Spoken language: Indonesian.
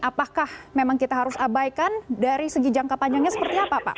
apakah memang kita harus abaikan dari segi jangka panjangnya seperti apa pak